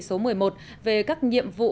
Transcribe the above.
số một mươi một về các nhiệm vụ